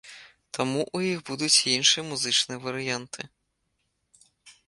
Таму ў іх будуць і іншыя музычныя варыянты.